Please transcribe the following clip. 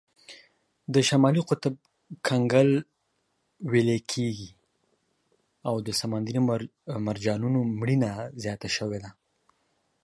د شمالي قطب کنګل ویلې کیږي او د سمندري مرجانونو مړینه زیاته شوې ده.